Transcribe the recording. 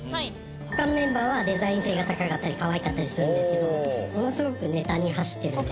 「他のメンバーはデザイン性が高かったりかわいかったりするんですけどものすごくネタに走ってるんですよ」